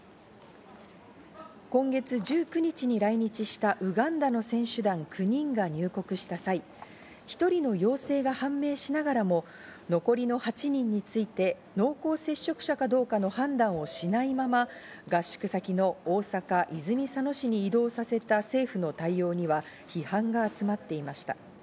今月１９日に来日したウガンダの選手団９人が入国した際、１人の陽性が判明しながらも、残りの８人について濃厚接触者かどうかの判断をしないまま合宿先の大阪泉佐野市に移動させた政府の対応には批判が集まっていました。